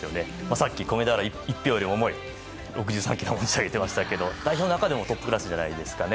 さっき米俵１俵よりも重い６３ｋｇを持ち上げてましたけど代表の中でもトップクラスじゃないですかね。